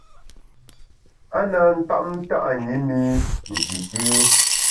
A na ntap nta’ ṅi mi Nji té.